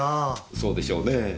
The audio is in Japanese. そうでしょうねぇ。